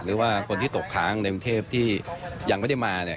หรือว่าคนที่ตกค้างในกรุงเทพที่ยังไม่ได้มา